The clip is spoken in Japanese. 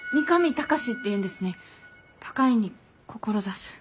「高い」に「志す」。